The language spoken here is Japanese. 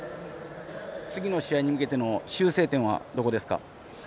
次の試合に向けての修正点はどこですか。